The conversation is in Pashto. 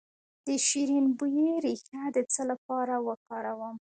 د شیرین بویې ریښه د څه لپاره وکاروم؟